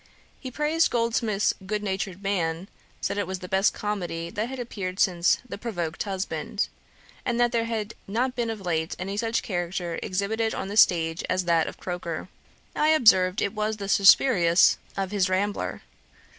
He praised Goldsmith's Good natured Man; said, it was the best comedy that had appeared since The Provoked Husband, and that there had not been of late any such character exhibited on the stage as that of Croaker. I observed it was the Suspirius of his Rambler.